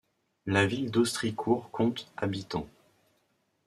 La ville d'Ostricourt compte habitants.